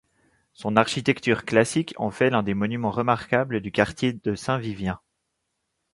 Son architecture classique en fait l'un des monuments remarquables du quartier de Saint-Vivien.